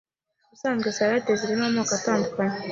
Ubusanzwe Salade zirimo amoko atandukanye